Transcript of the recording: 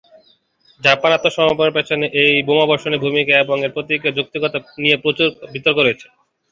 Japan আত্মসমর্পণের পেছনে এই বোমাবর্ষণের ভূমিকা এবং এর প্রতিক্রিয়া ও যৌক্তিকতা নিয়ে প্রচুর বিতর্ক হয়েছে।